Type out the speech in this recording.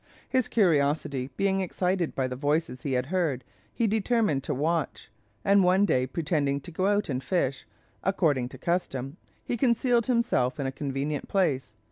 His curiosity being excited by the voices he had heard, he determined to watch; and one day pretending to go out and fish, according to custom, he concealed himself in a convenient place.